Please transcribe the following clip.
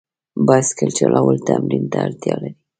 بایسکل چلول تمرین ته اړتیا لري.